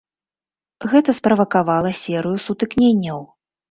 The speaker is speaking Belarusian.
Гэта справакавала серыю сутыкненняў.